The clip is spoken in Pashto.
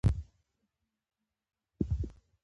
نورستان د افغانستان د ولایاتو په کچه توپیر لري.